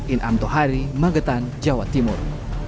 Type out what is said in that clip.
in amto hari magetan jawa timur